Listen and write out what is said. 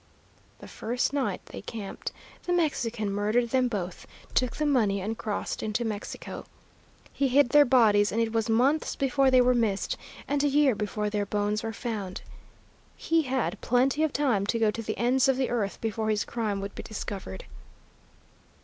The first night they camped the Mexican murdered them both, took the money, and crossed into Mexico. He hid their bodies, and it was months before they were missed, and a year before their bones were found. He had plenty of time to go to the ends of the earth before his crime would be discovered.